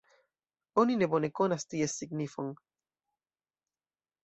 Oni ne bone konas ties signifon.